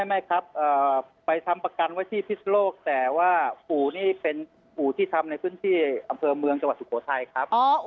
ไม่ครับไปทำประกันไว้ที่พิศโลกแต่ว่าปู่นี่เป็นปู่ที่ทำในพื้นที่อำเภอเมืองจังหวัดสุโขทัยครับ